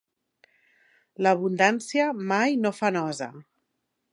L'abundància mai no fa nosa.